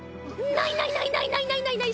ないないないない。